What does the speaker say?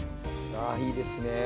ああいいですね。